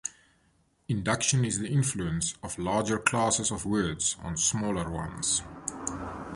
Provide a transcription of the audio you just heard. Induction is the influence of larger classes of words on smaller ones.